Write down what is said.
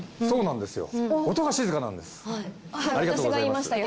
そうなんですね。